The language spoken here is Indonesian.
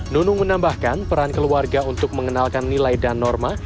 nunung menambahkan peran keluarga untuk mengenalkan nilai dan norma